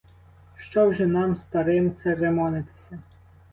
Що вже нам, старим, церемонитися!